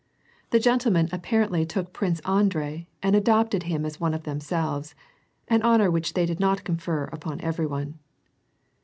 The gentlemen apparently took to Prince Andrei, and adopted him 83 on^^khemselves — an honor which they did not confer upon every one.